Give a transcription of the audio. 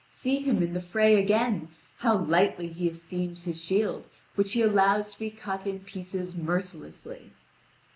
See him in the fray again, how lightly he esteems his shield, which he allows to be cut in pieces mercilessly.